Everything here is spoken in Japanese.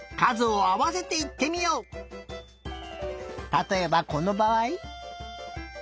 たとえばこのばあい。